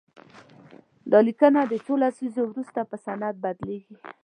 دا لیکنه د څو لسیزو وروسته په سند بدليږي.